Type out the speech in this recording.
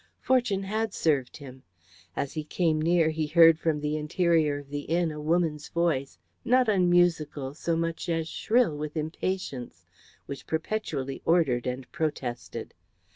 Fortune had served him. As he came near he heard from the interior of the inn a woman's voice, not unmusical so much as shrill with impatience, which perpetually ordered and protested.